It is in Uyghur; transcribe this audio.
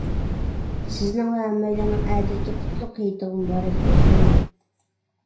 سىزنىڭ ۋە ھەممەيلەننىڭ ئەتىدىكى قۇتلۇق ھېيتىغا مۇبارەك بولسۇن!